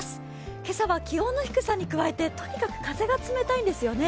今朝は気温の低さに加えてとにかく風が冷たいんですよね。